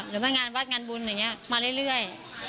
หรือว่างานวัดงานบุญอย่างนี้มาเรื่อย